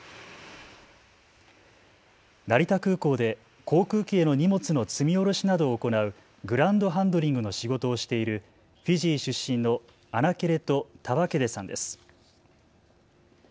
成田空港で航空機への荷物の積み降ろしなどを行うグランドハンドリングの仕事をしているフィジー出身のアナケレト・タヴァケデさんです。